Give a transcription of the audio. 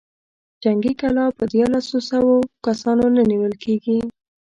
جنګي کلا په ديارلسو سوو کسانو نه نېول کېږي.